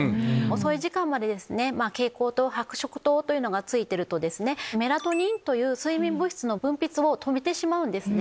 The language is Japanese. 遅い時間まで蛍光灯白色灯がついてるとメラトニンという睡眠物質の分泌を止めてしまうんですね。